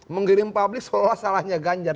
menggiring publik seolah salahnya ganjar